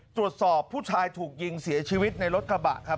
ตรวจสอบผู้ชายถูกยิงเสียชีวิตในรถกระบะครับ